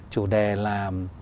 chủ đề là